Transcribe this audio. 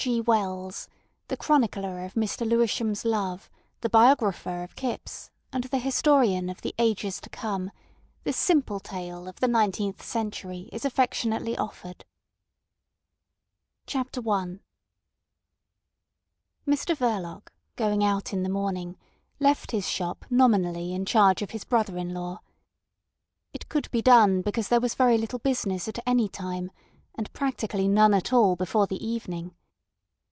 G. WELLS THE CHRONICLER OF MR LEWISHAM'S LOVE THE BIOGRAPHER OF KIPPS AND THE HISTORIAN OF THE AGES TO COME THIS SIMPLE TALE OF THE XIX CENTURY IS AFFECTIONATELY OFFERED CHAPTER I Mr Verloc, going out in the morning, left his shop nominally in charge of his brother in law. It could be done, because there was very little business at any time, and practically none at all before the evening.